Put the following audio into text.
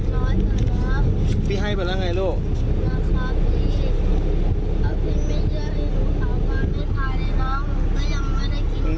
เลยครั้งพี่เฮ้ยเหรอหล่อปล่อยไปแล้ว